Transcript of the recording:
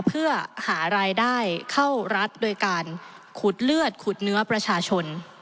เพื่อหารายได้เข้ารัฐโดยการขุดเลือดขุดเนื้อประชาชน